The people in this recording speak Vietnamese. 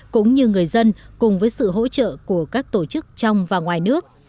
cũng như người dân cùng với sự hỗ trợ của các tổ chức trong và ngoài nước